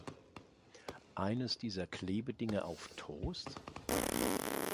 Eines dieser Klebedinger auf Toast?